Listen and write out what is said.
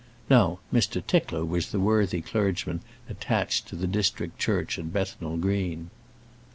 Now Mr. Tickler was the worthy clergyman attached to the district church at Bethnal Green.